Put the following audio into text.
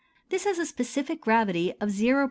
This has a specific gravity of 0·820.